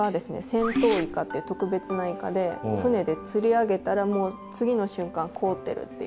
船凍イカって特別なイカで船で釣り上げたらもう次の瞬間凍ってるっていう。